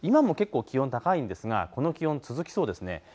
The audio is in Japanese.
今も結構、気温、高いんですがこの気温、続きそうですね。